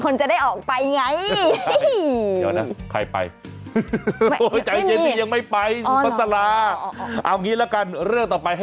นี่ใจจังเลย